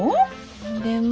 でも。